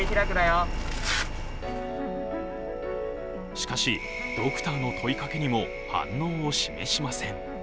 しかし、ドクターの問いかけにも反応を示しません。